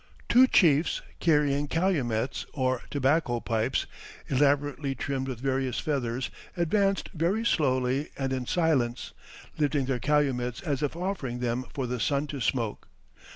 Two chiefs, carrying calumets, or tobacco pipes, elaborately trimmed with various feathers, advanced very slowly and in silence, lifting their calumets as if offering them for the sun to smoke.